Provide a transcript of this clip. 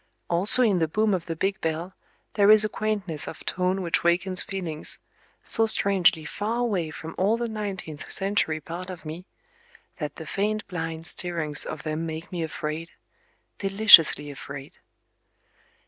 Also in the boom of the big bell there is a quaintness of tone which wakens feelings, so strangely far away from all the nineteenth century part of me, that the faint blind stirrings of them make me afraid,—deliciously afraid.